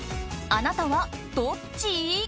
あなたはどっち？